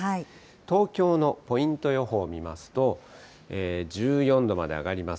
東京のポイント予報見ますと、１４度まで上がります。